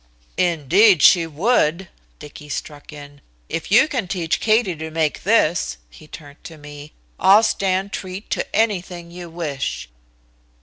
"Indeed she would," Dicky struck in. "If you can teach Katie to make this," he turned to me, "I'll stand treat to anything you wish."